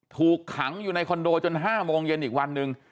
ถูกขังอยู่ในคอนโดจน๕โมงเย็นอีกวันหนึ่ง